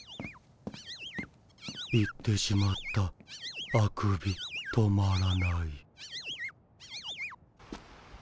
行ってしまったあくび止まらない。